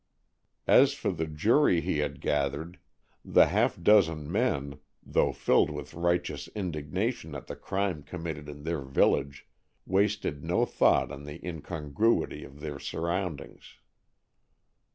As for the jury he had gathered, the half dozen men, though filled with righteous indignation at the crime committed in their village, wasted no thought on the incongruity of their surroundings.